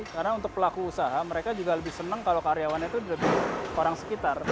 karena untuk pelaku usaha mereka juga lebih senang kalau karyawannya itu lebih orang sekitar